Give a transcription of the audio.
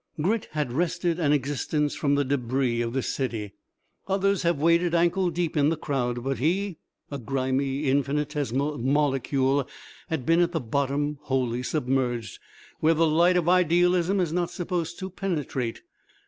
Grit had wrested an existence from the débris of this city. Others have waded ankle deep in the crowd; but he, a grimy, infinitesimal molecule, had been at the bottom wholly submerged, where the light of idealism is not supposed to penetrate.